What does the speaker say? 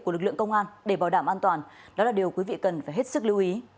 của lực lượng công an để bảo đảm an toàn đó là điều quý vị cần phải hết sức lưu ý